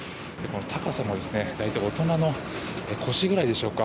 高さも、だいたい大人の腰ぐらいでしょうか。